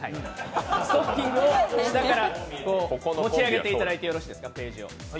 ストッキングを下から持ち上げていただいてよろしいですか。